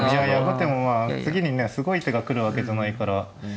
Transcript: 後手もまあ次にねすごい手が来るわけじゃないから。